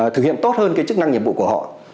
thực hiện tốt hơn cái chức năng nhiệm vụ của họ